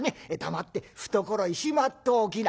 黙って懐にしまっておきな」。